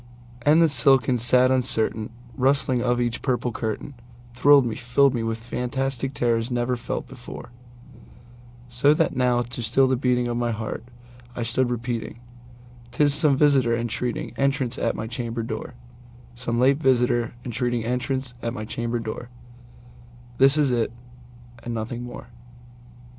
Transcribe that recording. And the silken sad uncertain rustling of each purple curtainThrilled me—filled me with fantastic terrors never felt before; So that now, to still the beating of my heart, I stood repeating"'T is some visitor entreating entrance at my chamber door, Some late visitor entreating entrance at my chamber door:This it is and nothing more."